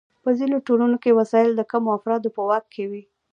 په ځینو ټولنو کې وسایل د کمو افرادو په واک کې وي.